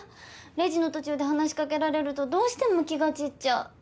レジの途中で話し掛けられるとどうしても気が散っちゃう。